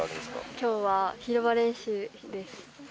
きょうは広場練習です。